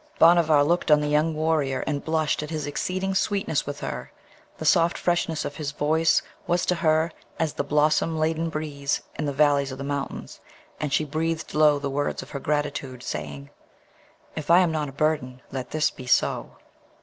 Bhanavar looked on the young warrior and blushed at his exceeding sweetness with her; the soft freshness of his voice was to her as the blossom laden breeze in the valleys of the mountains, and she breathed low the words of her gratitude, saying, 'If I am not a burden, let this be so.'